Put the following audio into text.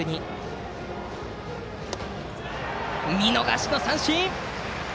見逃し三振！